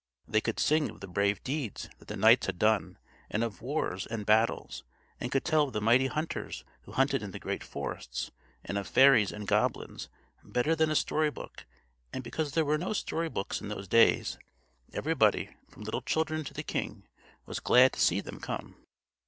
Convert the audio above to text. They could sing of the brave deeds that the knights had done, and of wars and battles, and could tell of the mighty hunters who hunted in the great forests, and of fairies and goblins, better than a story book; and because there were no story books in those days, everybody, from little children to the king, was glad to see them come.